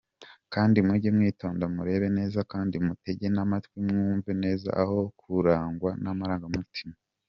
Kandi mujye mwitonda murebe neza kandi mutege namatwi mwumve neza aho kurangwa namarangamutima.